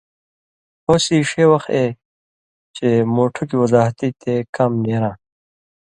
ہوسی ݜے وخت اے، چےۡ مُوٹُھکیۡ وضاحتی تے کام نېراں۔